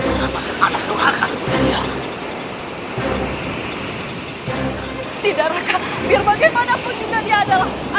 lalu kita akan menerima balasan dari perbuatanmu